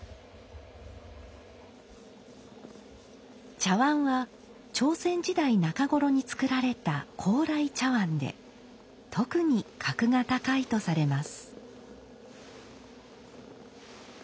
茶碗は朝鮮時代中ごろに作られた高麗茶碗で特に格が高いとされます。